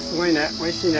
おいしいね。